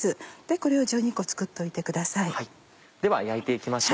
これを１２個作っておいてください。では焼いて行きましょう。